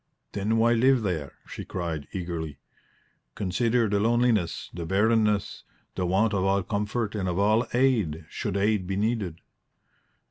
"Then why live there?" she cried, eagerly. "Consider the loneliness, the barrenness, the want of all comfort and of all aid, should aid be needed."